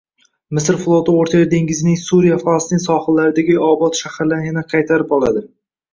Misr floti O‘rta Yer dengizining Suriya-Falastin sohillaridagi obod shaharlarni yana qaytarib oladi